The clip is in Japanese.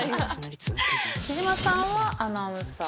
貴島さんはアナウンサー。